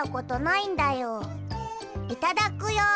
いただくよ！！